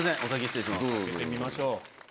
開けてみましょう。